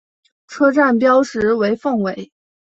车站标识为凤尾。